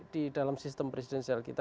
di dalam sistem presidensial kita